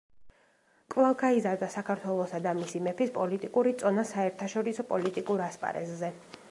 კვლავ გაიზარდა საქართველოსა და მისი მეფის პოლიტიკური წონა საერთაშორისო პოლიტიკურ ასპარეზზე.